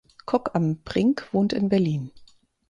Kock am Brink wohnt in Berlin.